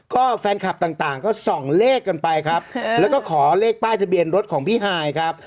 ก็แฟนคลับต่างก็ส่องเลขกันไปครับแล้วก็ขอเลขป้ายทะเบียนรถของพี่ฮายครับ